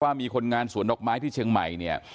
มีคนงานสวนดอกไม้ที่เชียงใหม่เนี่ย